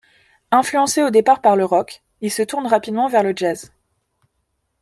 Influencé au départ par le rock, il se tourne rapidement vers le jazz.